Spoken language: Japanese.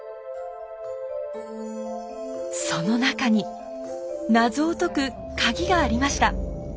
その中に謎を解くカギがありました。